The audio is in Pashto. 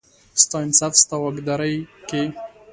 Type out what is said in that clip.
ستا انصاف، ستا واکدارۍ کې،